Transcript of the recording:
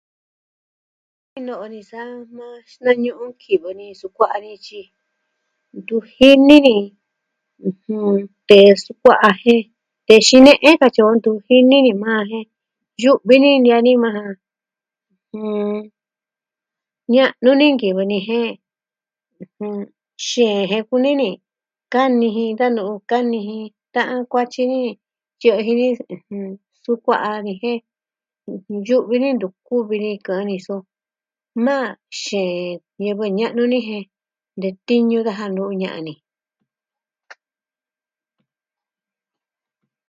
No'o ni sa maa xinañu'u kivɨ ni sukua'a ni tyi ntu jini ni, ɨjɨn... tee sukua'a jen tee xine'e katyi o ntu jini maa jen, yu'vi ni ni a ni maa ja. Ña'nu ni nkivɨ ni jen, ɨjɨn... xeen je kuni ni. Kani ji da nu'u. Kani ji ta'an kuatyi ni. Tyi jini sukua'a ni jen yu'vi ni, ntu kuvi ni kɨ'ɨn ni so, naa xeen ñivɨ ña'nu ni jen de tiñu daja no'o ña'an ni.